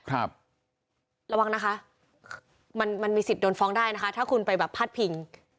ระวังนะคะมันมันมีสิทธิ์โดนฟ้องได้นะคะถ้าคุณไปแบบพาดพิง